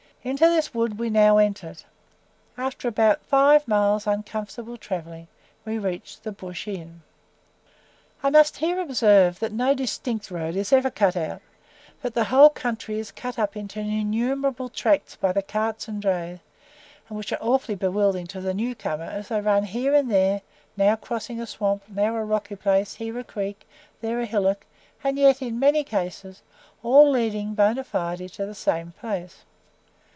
Into this wood we now entered. After about five miles uncomfortable travelling we reached the "Bush Inn." I must here observe that no DISTINCT road is ever cut out, but the whole country is cut up into innumerable tracks by the carts and drays, and which are awfully bewildering to the new comer as they run here and there, now crossing a swamp, now a rocky place, here a creek, there a hillock, and yet, in many cases, all leading BONA FIDE to the same place.